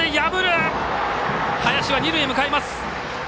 林は二塁へ向かいます。